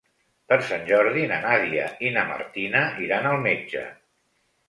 Per Sant Jordi na Nàdia i na Martina iran al metge.